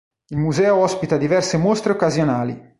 Il museo ospita diverse mostre occasionali.